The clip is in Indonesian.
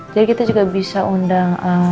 jadi kita juga bisa undang